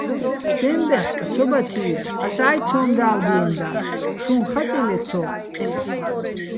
სეჼ ბეხკ ცო ბა თი́ბო̆, ასა́ჲ ცო́მ და́ვდიენდა́ს, შუჼ ხაწი́ ლე ცო?